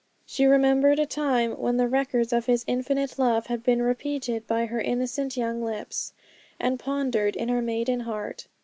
She remembered the time when the records of His infinite love had been repeated by her innocent young lips and pondered in her maiden heart.